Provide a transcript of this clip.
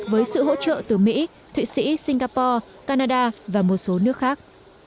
với sự hỗ trợ từ mỹ thụy sĩ singapore canada và một số nước khác